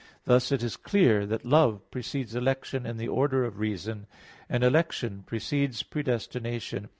Thus it is clear that love precedes election in the order of reason, and election precedes predestination.